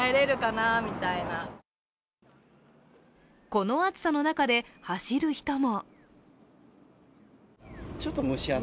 この暑さの中で走る人も。